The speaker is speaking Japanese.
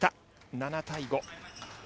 ７対５。